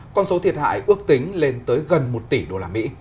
con số thiệt hại ước tính lên tới gần một tỷ usd